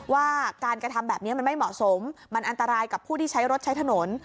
ว่าการกระทำแบบนี้มันไม่เหมาะสมมันอันตรายกับผู้ที่ใช้รถใช้ถนน